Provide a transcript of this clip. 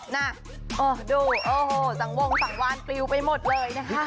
น่าดูโอ้โหสั่งวงสั่งวานกลิวไปหมดเลยนะฮะ